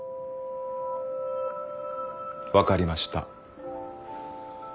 分かりました。